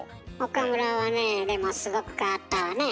岡村はねでもすごく変わったわね。